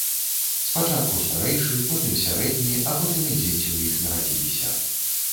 Спачатку старэйшы, потым сярэдні, а потым і дзеці ў іх нарадзіліся.